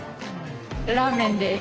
ラーメンです。